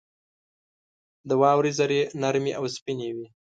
• د واورې ذرې نرمې او سپینې وي.